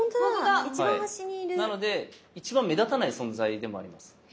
なので一番目立たない存在でもあります。